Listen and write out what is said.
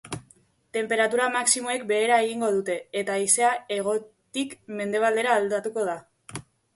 Tenperatura maximoek behera egingo dute eta haizea hegotik mendebaldera aldatuko da.